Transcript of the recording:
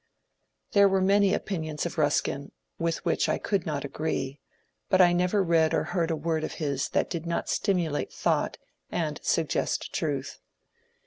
There were many opinions of Buskin with which I could not agree, but I never read or heard a word of his that did not stimulate thought and suggest truth.